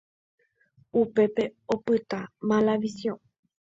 Upépe opyta Malavisiõ.